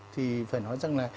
thì phải nói rằng là